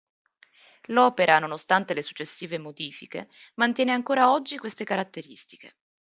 L'opera nonostante le successive modifiche mantiene ancora oggi queste caratteristiche.